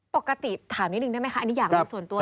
ปกติถามนิดนึงได้ไหมคะอันนี้อยากรู้ส่วนตัว